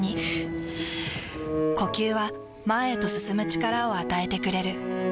ふぅ呼吸は前へと進む力を与えてくれる。